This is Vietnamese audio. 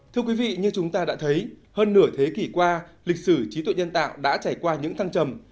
thưa quý vị như chúng ta đã thấy hơn nửa thế kỷ qua lịch sử trí tuệ nhân tạo đã trải qua những thăng trầm